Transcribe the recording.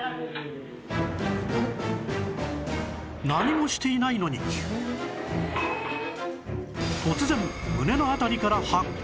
何もしていないのに突然胸の辺りから発火